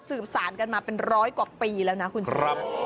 สืบสารกันมาเป็นร้อยกว่าปีแล้วนะคุณชนะ